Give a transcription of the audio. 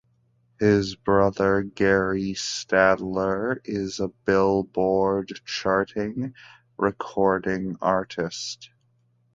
His brother Gary Stadler is a Billboard-charting recording artist.